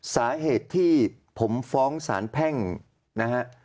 สาเหตุที่ผมฟ้องสารแพ่งนะฮะ